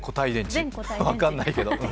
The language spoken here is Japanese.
分かんないけど。